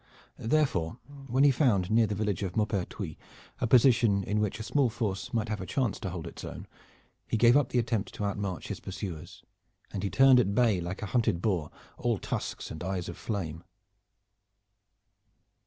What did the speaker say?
Therefore, when he found near the village of Maupertuis a position in which a small force might have a chance to hold its own, he gave up the attempt to outmarch his pursuers, and he turned at bay, like a hunted boar, all tusks and eyes of flame.